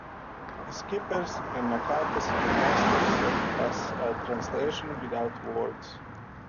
The skipper's and Nakata's gymnastics served as a translation without words.